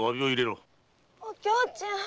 お京ちゃん。